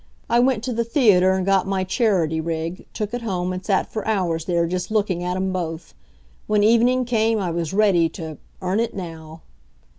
I went to the theater and got my Charity rig, took it home, and sat for hours there just looking at 'em both. When evening came I was ready to "earn it now."